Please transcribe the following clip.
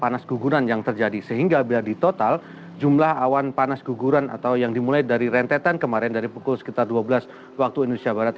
panas guguran yang terjadi sehingga bila di total jumlah awan panas guguran atau yang dimulai dari rentetan kemarin dari pukul sekitar dua belas waktu indonesia barat